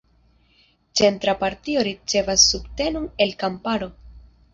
Centra partio ricevas subtenon el kamparo.